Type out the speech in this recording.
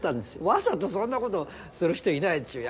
わざとそんなことする人いないでしょ。